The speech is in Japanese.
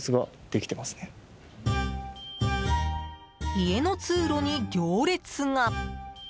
家の通路に行列が！